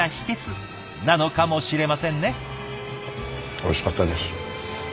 おいしかったです。